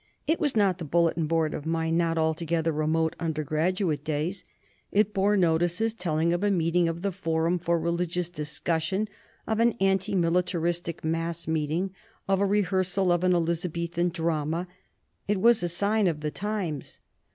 It was not the bulletin board of my not altogether remote undergraduate days. It bore notices telling of a meeting of the "Forum for Religious Discussion," of an anti militaristic mass meeting, of a rehearsal of an Elizabethan drama. It was a sign of the times.